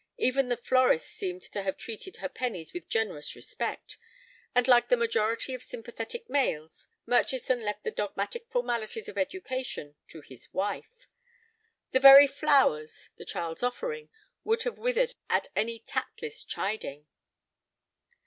Even the florist seemed to have treated her pennies with generous respect, and like the majority of sympathetic males, Murchison left the dogmatic formalities of education to his wife. The very flowers, the child's offering, would have withered at any tactless chiding.